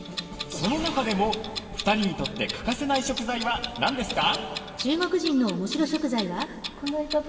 その中でも２人にとって欠かせない食材は何ですか？